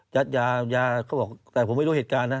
ยายาเขาบอกแต่ผมไม่รู้เหตุการณ์นะ